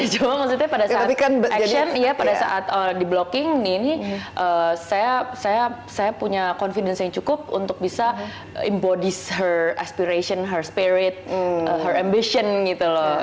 cuma maksudnya pada saat action pada saat di blocking ini saya punya confidence yang cukup untuk bisa embody her aspiration her spirit her ambition gitu loh